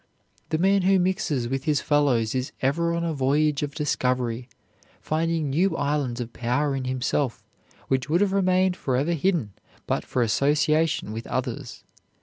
The man who mixes with his fellows is ever on a voyage of discovery, finding new islands of power in himself which would have remained forever hidden but for association with others.